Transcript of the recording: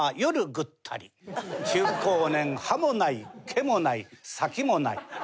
中高年歯もない毛もない先もない。